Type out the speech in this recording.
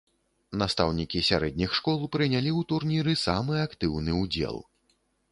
Настаўнікі сярэдніх школ прынялі ў турніры самы актыўны ўдзел.